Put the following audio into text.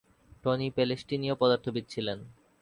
Tony প্যালেস্টীনীয় পদার্থবিদ ছিলেন।